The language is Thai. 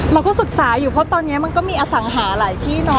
มันก็ศึกษาอยู่เพราะตอนนี้มันก็มีอสังหาหลายที่เนาะ